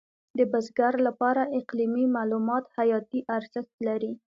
د بزګر لپاره اقلیمي معلومات حیاتي ارزښت لري.